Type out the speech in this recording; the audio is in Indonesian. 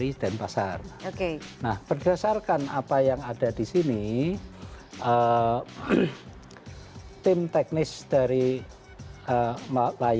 ini dialami tidak lama setelah pesawat ini dianggap penerbangan